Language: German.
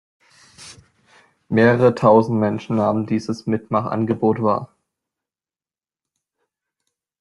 Mehrere tausend Menschen nahmen dieses Mitmach-Angebot wahr.